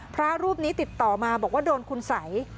พระรูปนี้ติดต่อมาบอกว่าโดนคุณสัย